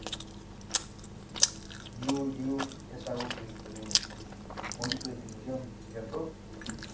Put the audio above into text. Lliu-Lliu es Agua Cristalina, bonita definición, cierto?